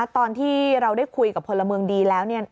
ตอนที่เราได้คุยกับเพลมรมิงดีแล้วเนี่ย